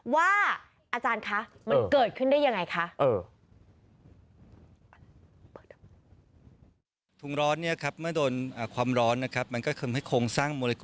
อาจารย์คะมันเกิดขึ้นได้ยังไงคะ